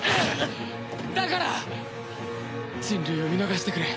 だから人類を見逃してくれ。